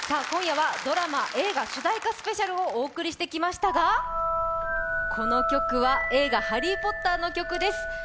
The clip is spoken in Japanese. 今夜はドラマ、映画の主題歌スペシャルをお送りしてきましたが、この曲は映画「ハリー・ポッター」の曲です。